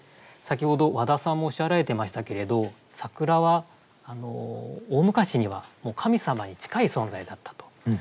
先ほど和田さんもおっしゃられていましたけれど桜は大昔には神様に近い存在だったと。